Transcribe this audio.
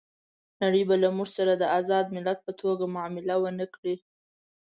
نړۍ به له موږ سره د آزاد ملت په توګه معامله ونه کړي.